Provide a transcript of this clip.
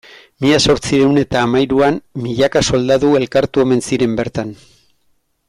Mila zortziehun eta hamahiruan milaka soldadu elkartu omen ziren bertan.